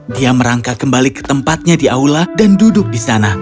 dia merangkak kembali ke tempatnya di aula dan duduk di sana